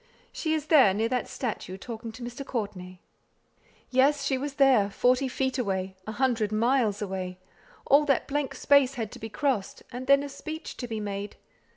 She is there, near that statue, talking to Mr. Courtenay." Yes! she was there forty feet away a hundred miles away! All that blank space had to be crossed; and then a speech to be made!